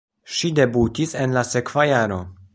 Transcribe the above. Ŝi debutis en la sekva jaro.